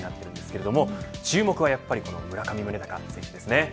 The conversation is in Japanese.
注目はやっぱり村上宗隆選手です。